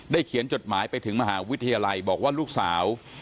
เขียนจดหมายไปถึงมหาวิทยาลัยบอกว่าลูกสาว